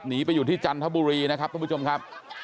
หนีไปที่จันทบุรีนะครับทุกผู้ชมครับ